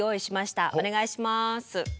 お願いします。